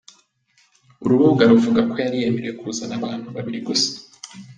Uru rubuga ruvuga ko yari yemerewe kuzana abantu babiri gusa.